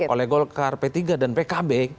oleh golkar p tiga dan pkb